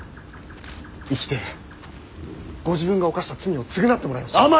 生きてご自分が犯した罪を償ってもらいましょう。